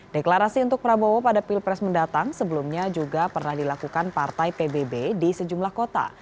deklarasi untuk prabowo pada pilpres mendatang sebelumnya juga pernah dilakukan partai pbb di sejumlah kota